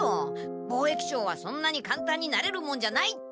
貿易商はそんなにかんたんになれるもんじゃないって。